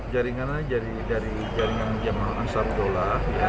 jaringannya dari jaringan jemaah ansar dola